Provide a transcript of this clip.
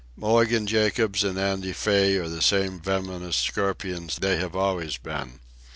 Mulligan Jacobs and Andy Fay are the same venomous scorpions they have always been.